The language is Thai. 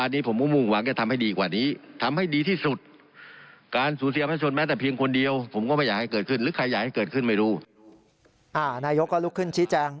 นายกก็ลุกขึ้นชี้แจง